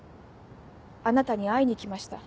あなたに会いに来ました。